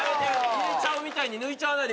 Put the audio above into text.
入れちゃうみたいに抜いちゃわないでください。